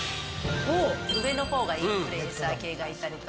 上の方がインフルエンサー系がいたりとか。